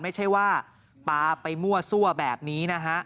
ไม่ใช่ว่าปลาไปมั่วซั่วแบบนี้นะฮะ